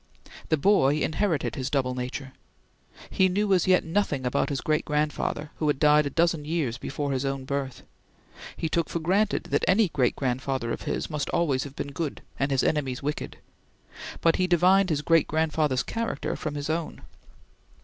The boy inherited his double nature. He knew as yet nothing about his great grandfather, who had died a dozen years before his own birth: he took for granted that any great grandfather of his must have always been good, and his enemies wicked; but he divined his great grandfather's character from his own.